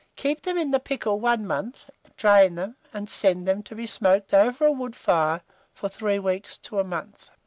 Keep them in the pickle 1 month, drain them, and send them to be smoked over a wood fire for 3 weeks or a month.